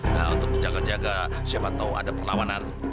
nah untuk jaga jaga siapa tahu ada perlawanan